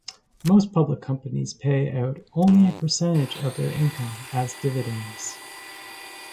Most public companies pay out only a percentage of their income as dividends.